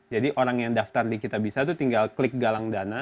jadi orang yang daftar di kitabisa tuh tinggal klik galang dana